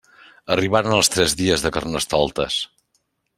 Arribaren els tres dies de Carnestoltes.